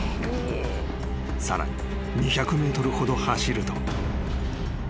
［さらに２００ｍほど走ると］